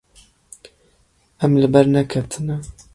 Em li ber neketine.